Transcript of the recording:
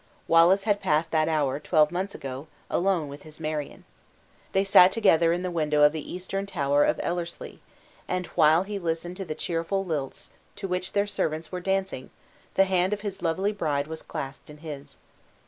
Wallace had passed that hour, twelve months ago, alone with his Marion. They sat together in the window of the eastern tower of Ellerslie: and while he listened to the cheerful lilts to which their servants were dancing, the hand of his lovely bride was clasped in his.